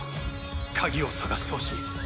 鍵を探してほしい」